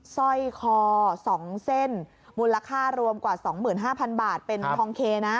ซ่อยคอสองเส้นมูลละค่ารวมกว่าสองหมื่นห้าพันบาทเป็นทองเคนะ